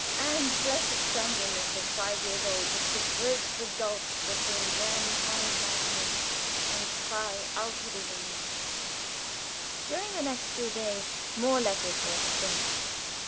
And blessed sanguineness of five years old, which could bridge the gulf between then and manhood, and cry, Auf wiedersehen! During the next few days more letters were exchanged.